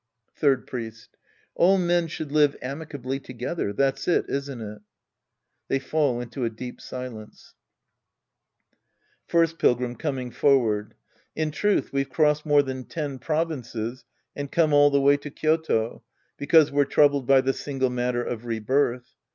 Third Priest. All men should live amicably together ; that's it, isn't it ? {They fall into a deep silence^ First Pilgrim {coming forward). In truth we've crossed more than ten provinces and come all the way to Kyoto because we're troubled by the single matter of rebirth.